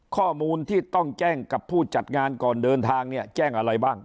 ข้อมูลที่ต้องแจ้งกับผู้จัดงานก่อนเดินทางเนี่ยแจ้งอะไรบ้าง